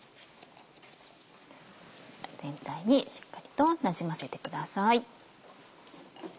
全体にしっかりとなじませてください。